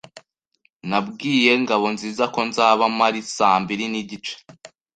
Nabwiye Ngabonziza ko nzaba mpari saa mbiri nigice.